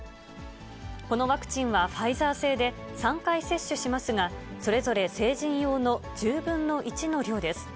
このワクチンはファイザー製で、３回接種しますが、それぞれ成人用の１０分の１の量です。